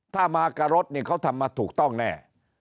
ถ้ามากับรถนี่เขาทำมาถูกต้องแน่